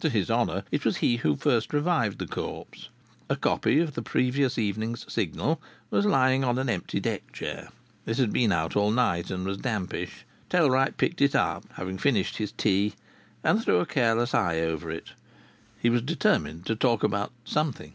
To his honour, it was he who first revived the corpse. A copy of the previous evening's Signal was lying on an empty deck chair. It had been out all night, and was dampish. Tellwright picked it up, having finished his tea, and threw a careless eye over it. He was determined to talk about something.